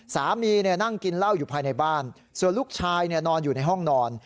นั่งกินเหล้าอยู่ภายในบ้านส่วนลูกชายนอนอยู่ในห้องนอน